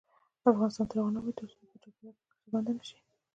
افغانستان تر هغو نه ابادیږي، ترڅو د چاپیریال ککړتیا بنده نشي.